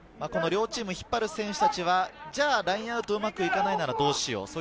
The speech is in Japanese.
両チームを引っ張る選手たちはじゃあラインアウト、うまくいかないならどうしよう？